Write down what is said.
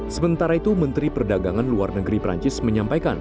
sementara itu menteri perdagangan luar negeri perancis menyampaikan